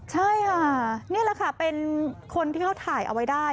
ใช่ค่ะนี่แหละค่ะเป็นคนที่เขาถ่ายเอาไว้ได้